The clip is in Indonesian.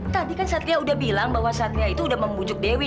tadi kan satria udah bilang bahwa satria itu udah membujuk dewi